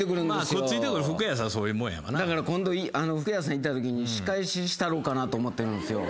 だから今度服屋さん行ったときに仕返ししたろうかなと思ってるんですよ。